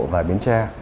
và biến tre